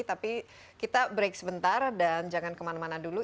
tapi kita break sebentar dan jangan kemana mana dulu